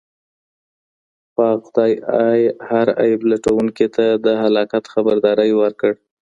پاک خدای هر عيب لټونکي ته د هلاکت خبرداری ورکړ.